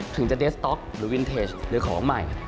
ถึงจะเดสต๊อกหรือวินเทจหรือของใหม่